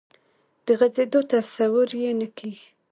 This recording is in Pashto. د غځېدو تصور یې نه کېږي.